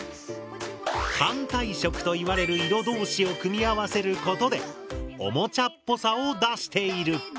「反対色」といわれる色同士を組み合わせることでおもちゃっぽさを出している。